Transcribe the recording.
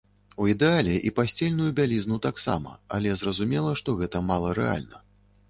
У ідэале, і пасцельную бялізну таксама, але зразумела, што гэта маларэальна.